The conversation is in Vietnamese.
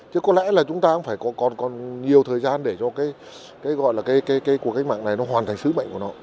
chứ có lẽ là chúng ta không phải còn nhiều thời gian để cho cuộc cách mạng này hoàn thành sứ mệnh của nó